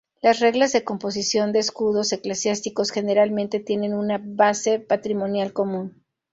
Las reglas de composición de escudos eclesiásticos generalmente tienen una base patrimonial común.